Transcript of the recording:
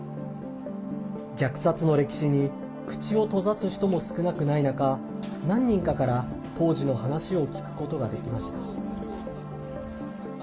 虐殺の歴史に口を閉ざす人も少なくない中何人かから当時の話を聞くことができました。